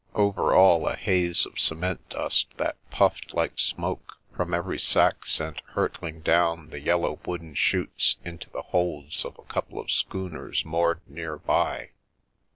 Over all a haze of cement dust that puffed like smoke from every sack sent hurtling down the yellow wooden chutes into the holds of a couple of schooners moored near by.